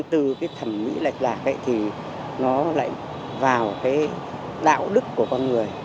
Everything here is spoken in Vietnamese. từ cái thẩm mỹ lạch đạt ấy thì nó lại vào cái đạo đức của con người